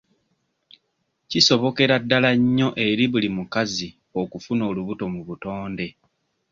Kisobokera ddala nnyo eri buli mukazi okufuna olubuto mu butonde.